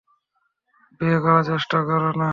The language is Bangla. বিয়ে করা চেষ্টা না!